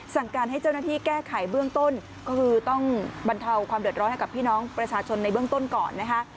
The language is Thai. สั่งการให้เจ้าหน้าที่แก้ไขเบื้องต้นก็คือต้องบรรเทาความเดือดร้อนให้กับพี่น้องประชาชนในเบื้องต้นก่อนนะคะ